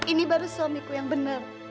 ini baru suamiku yang benar